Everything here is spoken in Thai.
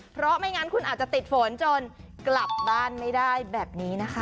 เพราะไม่งั้นคุณอาจจะติดฝนจนกลับบ้านไม่ได้แบบนี้นะคะ